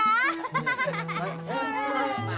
datang ya jangan lupa ya